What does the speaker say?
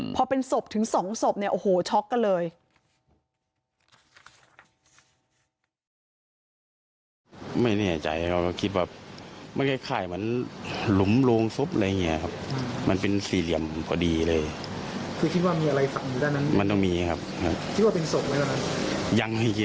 พอเป็นศพถึง๒ศพเนี่ยโอ้โหช็อกกันเลย